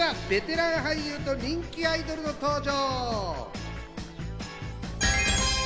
続いてはベテラン俳優と人気アイドルの登場。